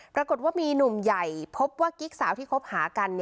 ปรากฏว่ามีหนุ่มใหญ่พบว่ากิ๊กสาวที่คบหากัน